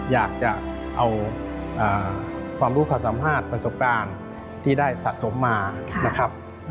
อยากจะเอาความรู้ความสามารถประสบการณ์ที่ได้สะสมมานะครับ